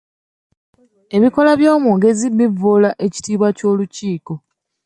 Ebikolwa by'omwogezi bivvoola ekitiibwa ky'olukiiko.